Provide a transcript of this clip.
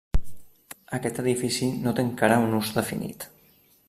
Aquest edifici no té encara un ús definit.